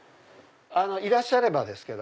いらっしゃればですけど。